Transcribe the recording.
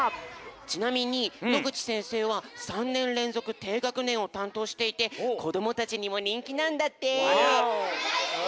ちなみに野口先生は３ねんれんぞくていがくねんをたんとうしていてこどもたちにもにんきなんだって。